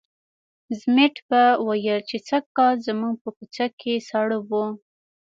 ضمټ به ویل چې سږکال زموږ په کوڅه کې ساړه وو.